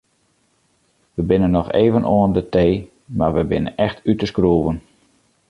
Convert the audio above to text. We binne noch even oan de tee mar we binne echt út de skroeven.